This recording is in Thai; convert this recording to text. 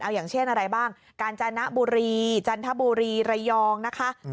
อย่างเช่นอะไรบ้างกาญจนบุรีจันทบุรีระยองนะคะ